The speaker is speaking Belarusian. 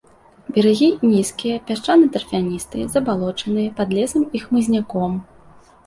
Берагі нізкія, пясчана-тарфяністыя, забалочаныя, пад лесам і хмызняком.